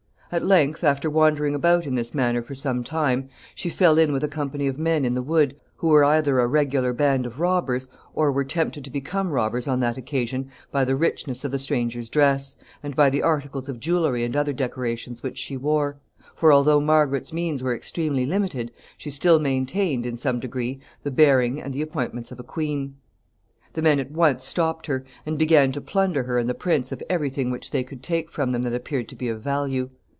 At length, after wandering about in this manner for some time, she fell in with a company of men in the wood, who were either a regular band of robbers, or were tempted to become robbers on that occasion by the richness of the stranger's dress, and by the articles of jewelry and other decorations which she wore; for, although Margaret's means were extremely limited, she still maintained, in some degree, the bearing and the appointments of a queen. [Sidenote: An escape.] The men at once stopped her, and began to plunder her and the prince of every thing which they could take from them that appeared to be of value.